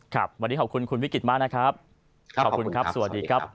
ครับสวัสดีครับ